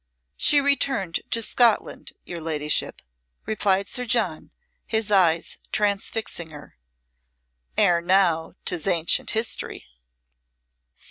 "She returned to Scotland, your ladyship," replied Sir John, his eyes transfixing her. "Ere now 'tis ancient history."